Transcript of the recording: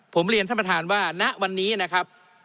ผมเรียนท่านประธานว่าณวันนี้นะครับ